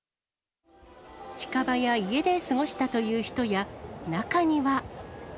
近場や家で過ごしたという人や、中には。